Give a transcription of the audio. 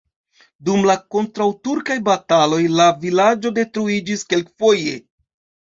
Dum la kontraŭturkaj bataloj la vilaĝo detruiĝis kelkfoje.